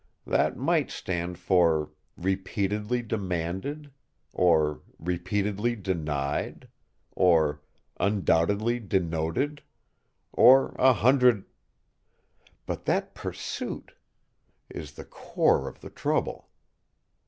"That might stand for 'repeatedly demanded' or 'repeatedly denied' or 'undoubtedly denoted' or a hundred But that 'Pursuit!' is the core of the trouble.